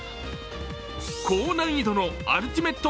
高難易度のアルティメット